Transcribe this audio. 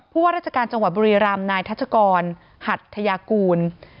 ว่าราชการจังหวัดบุรีรำนายทัชกรหัทยากูล